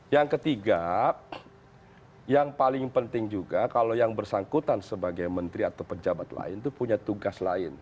yang ketiga yang paling penting juga kalau yang bersangkutan sebagai menteri atau pejabat lain itu punya tugas lain